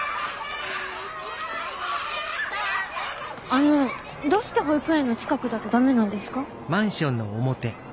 あのどうして保育園の近くだとダメなんですか？